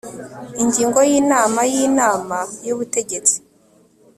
ingingo ya inama y inama y ubutegetsi